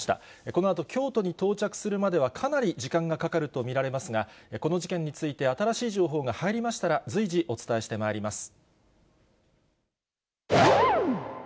このあと京都に到着するまでは、かなり時間がかかると見られますが、この事件について新しい情報が入りましたら、随時、お伝えしてまいります。